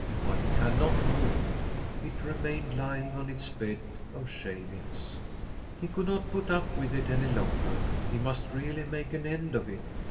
But it had not moved ; it remained lying on its bed of shavings. He could not put up with it any longer; he must really make an end of it.